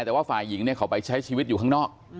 แต่ว่าฝ่ายหญิงเนี่ยเขาไปใช้ชีวิตอยู่ข้างนอก